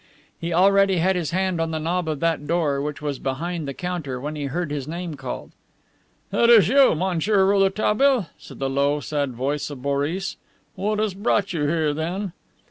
He already had his hand on the knob of that door, which was behind the counter, when he heard his name called. "It is you, Monsieur Rouletabille," said the low, sad voice of Boris. "What has brought you here, then?"